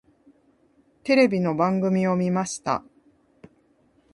テレビの番組を見ました。